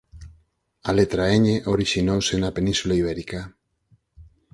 A letra Ñ orixinouse na península ibérica.